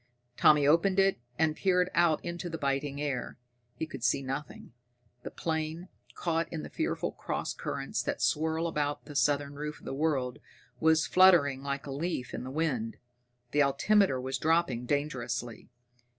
Tommy opened it, and peered out into the biting air. He could see nothing.... The plane, caught in the fearful cross currents that swirl about the southern roof of the world, was fluttering like a leaf in the wind. The altimeter was dropping dangerously.